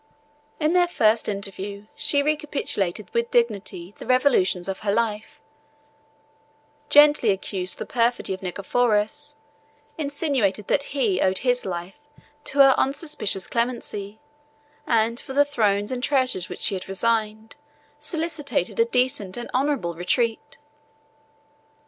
In their first interview, she recapitulated with dignity the revolutions of her life, gently accused the perfidy of Nicephorus, insinuated that he owed his life to her unsuspicious clemency, and for the throne and treasures which she resigned, solicited a decent and honorable retreat.